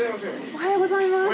おはようございます。